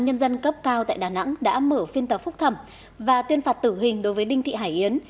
nhân dân cấp cao tại đà nẵng đã mở phiên tòa phúc thẩm và tuyên phạt tử hình đối với đinh thị hải yến